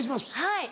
はい。